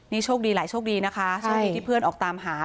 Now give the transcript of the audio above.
นี่ช่วงดีหลายช่วงดีที่เพื่อนออกตามหา